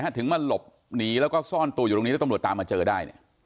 ถึงมาหลบหนีแล้วก็ซ่อนตัวอยู่ตรงนี้แล้วตำรวจตามมาเจอได้